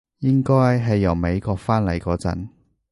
應該係由美國返嚟嗰陣